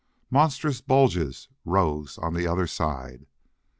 Monstrous bulges rose on the other side.